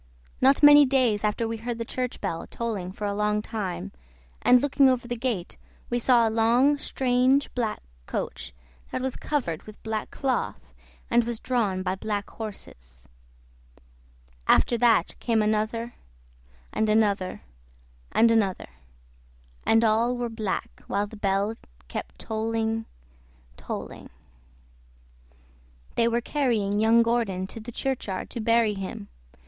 Not many days after we heard the church bell tolling for a long time, and looking over the gate we saw a long, strange black coach that was covered with black cloth and was drawn by black horses; after that came another and another and another, and all were black, while the bell kept tolling, tolling. They were carrying young Gordon to the churchyard to bury him.